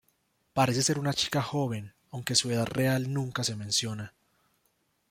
Parece ser una chica joven, aunque su edad real nunca se menciona.